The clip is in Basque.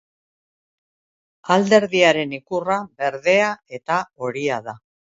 Alderdiaren ikurra berdea eta horia da.